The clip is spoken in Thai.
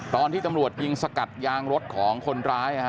ตอนที่ตำรวจยิงสกัดยางรถของคนร้าย